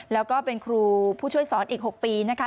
แล้วก็เป็นครูผู้ช่วยสอนอีก๖ปีนะคะ